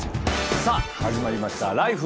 さあ始まりました「ＬＩＦＥ！